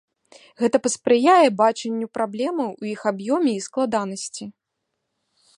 Гэта паспрыяе бачанню праблемаў у іх аб'ёме і складанасці.